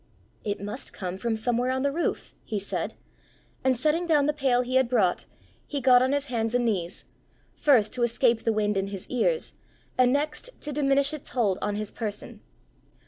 "It must come from somewhere on the roof!" he said, and setting down the pail he had brought, he got on his hands and knees, first to escape the wind in his ears, and next to diminish its hold on his person.